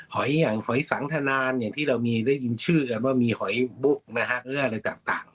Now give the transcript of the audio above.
อย่างหอยสังทนานอย่างที่เรามีได้ยินชื่อกันว่ามีหอยบุ๊กนะฮะหรืออะไรต่าง